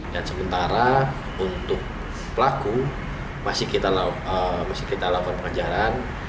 dan sementara untuk pelaku masih kita lakukan penjaraan